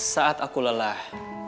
saat aku lelah